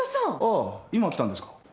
今来たんですか？